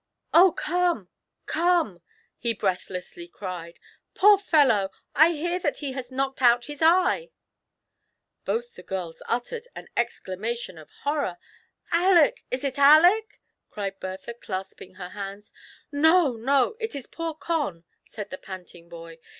"Oh — come, come!" he breathlessly cried; "poor fellow, I fear that he has knocked out his eye !" Both the girls uttered^ an exclamation of horror. "Aleck — is it Aleck?" cried Bertha^ clasping her hands. " No, no ; it is poor Con," said the panting boy.